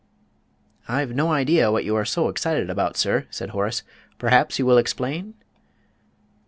_" "I've no idea what you are so excited about, sir," said Horace. "Perhaps you will explain?"